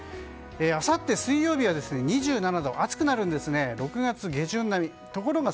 あさって水曜日は２７度暑くなるんですね。